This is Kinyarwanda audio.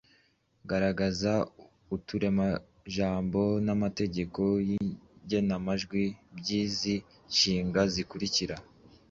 Garagaza uturemajambo n’amategeko y’igenamajwi by’izi nshinga zikurikira: